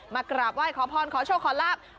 กราบไหว้ขอพรขอโชคขอลาบ